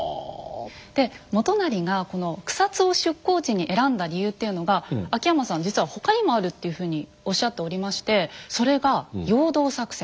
で元就がこの草津を出港地に選んだ理由っていうのが秋山さん実は他にもあるっていうふうにおっしゃっておりましてそれが陽動作戦。